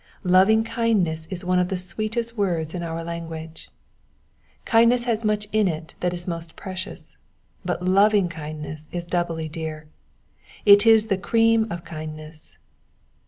Lovingkindness is one of the sweetest words in our language. Kindness has much in it that is most precious, but lovingkindness is doubly dear ; it is the cream of kindness.